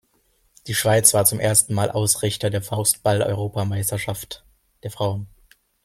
Die Schweiz war zum ersten Mal Ausrichter der Faustball-Europameisterschaft der Frauen.